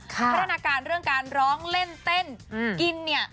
พัฒนาการเรื่องการร้องเล่นเต้นกินเนี่ย